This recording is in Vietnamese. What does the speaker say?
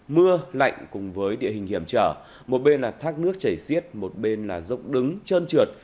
mưa lạnh cùng với địa hình hiểm trở một bên là thác nước chảy xiết một bên là dốc đứng trơn trượt